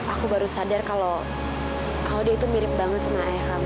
aku baru sadar kalau kaode itu mirip banget sama ayah